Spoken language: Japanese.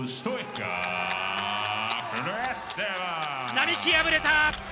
並木、敗れた。